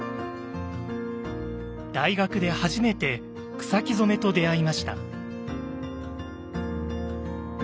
大学で初めて草木染めと出会いました。